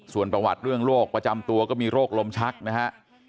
ส่วนประวัติเรื่องโรคประจำตัวก็มีโรคลมชักนะฮะ